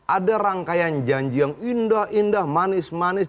ada rangkaian janji yang indah indah manis manis